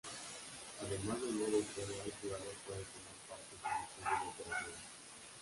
Además del modo historia, el jugador puede tomar parte de una serie de "Operaciones".